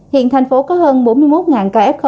hiện tp hcm có hơn bốn mươi một ca f